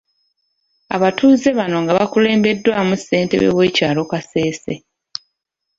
Abatuuze bano nga bakulembeddwa ssentebe w’ekyalo Kasese.